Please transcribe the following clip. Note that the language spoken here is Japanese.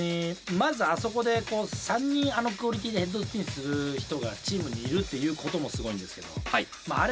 まずあそこで３人あのクオリティーでヘッドスピンする人がチームにいるっていうこともすごいんですけどあれ